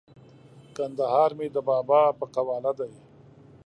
کندهار مې د بابا په قواله دی!